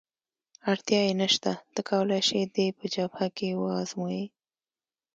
اړتیا یې نشته، ته کولای شې دی په جبهه کې وآزموېې.